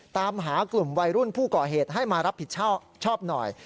ตามหากลุ่มวัยรุ่นผู้ก่อเหตุให้มารับผิดชอบชอบหน่อย